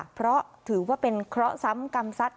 เพราะถือว่าเป็นเคราะห์ซ้ำกรรมซัด